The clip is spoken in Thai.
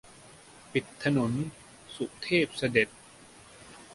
ปิดถนน สุเทพเสด็จ